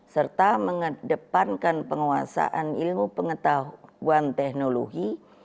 serta mengedepankan penguasaan ilmu pengetahuan teknologi